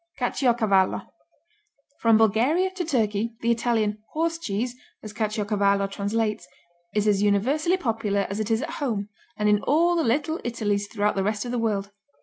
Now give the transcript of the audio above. Caciocavallo From Bulgaria to Turkey the Italian "horse cheese," as Caciocavallo translates, is as universally popular as it is at home and in all the Little Italics throughout the rest of the world.